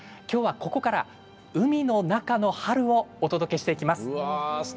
きょうは、ここから海の中の春をお届けしていきます。